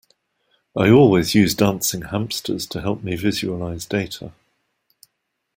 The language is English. I always use dancing hamsters to help me visualise data.